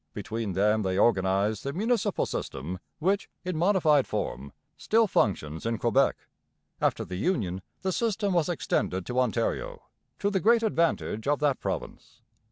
Between them they organized the municipal system which, in modified form, still functions in Quebec. After the Union the system was extended to Ontario, to the great advantage of that province.